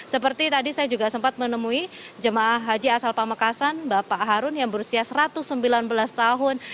seperti tadi saya juga sempat menemui jemaah haji asal pamekasan bapak harun yang berusia satu ratus sembilan belas tahun